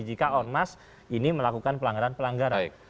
jika ormas ini melakukan pelanggaran pelanggaran